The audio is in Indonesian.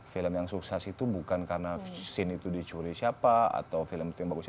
film yang sukses itu bukan karena scene itu dicuri siapa atau film itu yang bagus